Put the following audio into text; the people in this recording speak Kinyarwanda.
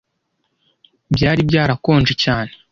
Byari byarakonje cyane.